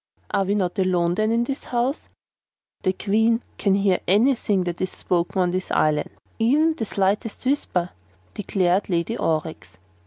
"Are we not alone then, in this house?" "The Queen can hear everything that is spoken on this island even the slightest whisper," declared Lady Aurex.